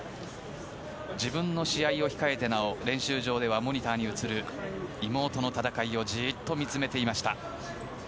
自分の試合を控えてなお練習場では、モニターに映る妹の戦いをじっと見つめていました。